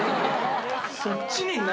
そっちに何？